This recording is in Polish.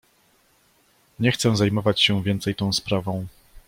"„Nie chcę zajmować się więcej tą sprawą."